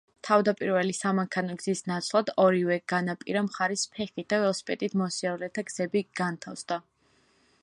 თავდაპირველი სამანქანო გზის ნაცვლად ორივე განაპირა მხარეს ფეხით და ველოსიპედით მოსიარულეთა გზები განთავსდა.